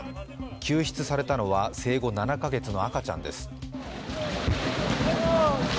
救出されたのは生後７か月の赤ちゃんです。